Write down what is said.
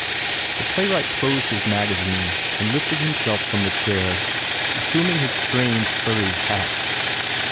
The playwright closed his magazine and lifted himself from the chair, assuming his strange furry hat.